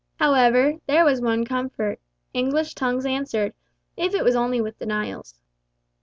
However, there was one comfort—English tongues answered, if it was only with denials.